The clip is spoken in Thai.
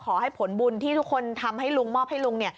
ขอให้ผลบุญที่ทุกคนทำให้ลุงมอบให้ลุงเนี่ย